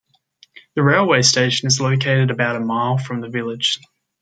The railway station is located about a mile from the village.